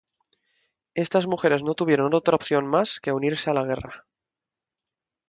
Estas mujeres no tuvieron otra opción más que unirse a la guerra.